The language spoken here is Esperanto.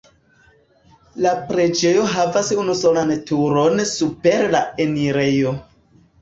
La preĝejo havas unusolan turon super la enirejo.